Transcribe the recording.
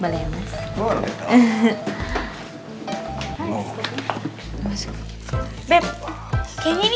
boleh ya mas